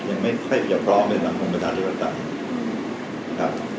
ยังไม่ค่อยจะพร้อมในสังคมประชาธิปไตยนะครับ